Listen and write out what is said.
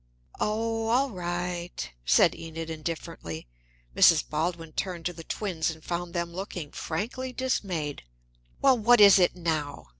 "Oh, all right," said Enid indifferently. Mrs. Baldwin turned to the twins, and found them looking frankly dismayed. "Well, what is it now?"